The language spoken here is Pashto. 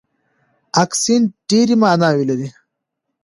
اکسنټ ډېرې ماناوې لري.